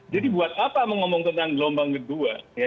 jadi buat apa mau ngomong tentang gelombang kedua